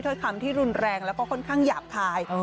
คำที่รุนแรงแล้วก็ค่อนข้างหยาบคาย